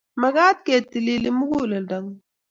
Maget kotilili muguleldo ngung